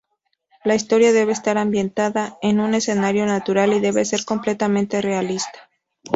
La historia debe estar ambientada en un escenario natural y debe ser completamente realista.